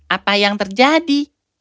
apa yang terjadi